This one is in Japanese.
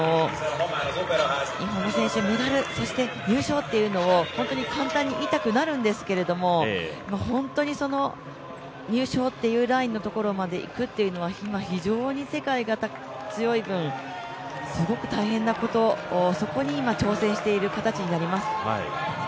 日本の選手、メダル、入賞というのを簡単に言いたくなるんですけど本当に入賞というラインのところまでいくというのは非常に世界が強い分、すごく大変なこと、そこに今挑戦している形になります。